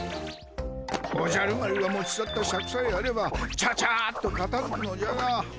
おじゃる丸が持ち去ったシャクさえあればチャチャッとかたづくのじゃが。